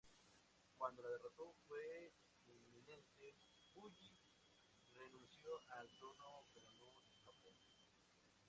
Cuando la derrota fue inminente, Puyi renunció al trono pero no escapó.